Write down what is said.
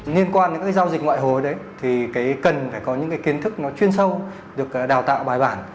nhiên quan đến các giao dịch ngoại hối cần phải có những kiến thức chuyên sâu được đào tạo bài bản